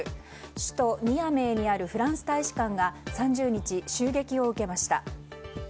首都ニアメーにあるフランス大使館が３０日、襲撃を受けました。